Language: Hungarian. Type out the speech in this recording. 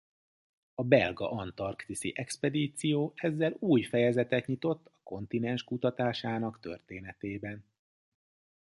A belga antarktiszi expedíció ezzel új fejezetet nyitott a kontinens kutatásának történetében.